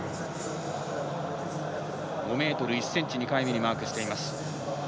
５ｍ１ｃｍ２回目にマークしています。